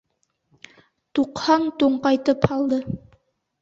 Туҡһан туңҡайтып һалды.